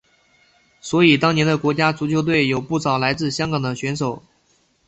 所以当年的国家足球队有不少来自香港的选手。